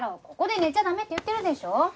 ここで寝ちゃ駄目って言ってるでしょ。